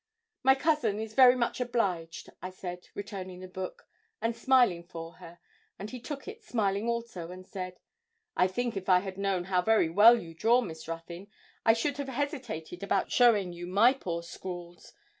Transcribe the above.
'My cousin is very much obliged,' I said, returning the book, and smiling for her, and he took it smiling also and said 'I think if I had known how very well you draw, Miss Ruthyn, I should have hesitated about showing you my poor scrawls.